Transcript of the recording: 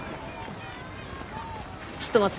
ちょっと待ってて。